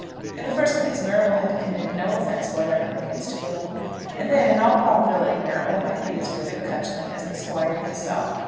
In the first place, Marrable had committed no offence whatever against Gilmore. And then, in all probability, Marrable might be as good at cudgelling as the Squire himself.